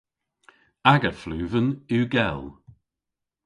Aga fluven yw gell.